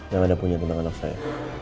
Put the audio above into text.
yang anda punya tentang anak saya